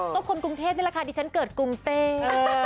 ก็คนกรุงเทพนี่แหละค่ะดิฉันเกิดกรุงเต้